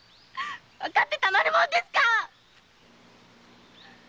わかってたまるもんですか‼